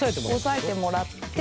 押さえてもらって。